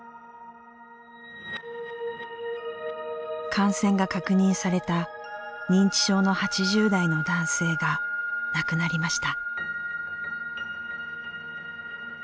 感染が確認された認知症の８０代の男性が亡くなりました。